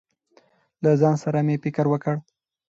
له ځان سره مې فکر وکړ.